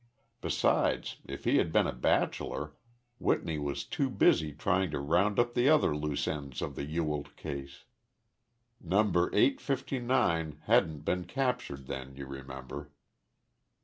Besides, if he had been a bachelor, Whitney was too busy trying to round up the other loose ends of the Ewald case. 'Number eight fifty nine' hadn't been captured then, you remember.